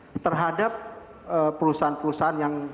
hai terhadap perusahaan perusahaan yang